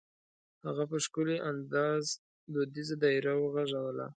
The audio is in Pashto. هغه په ښکلي انداز دودیزه دایره وغږوله.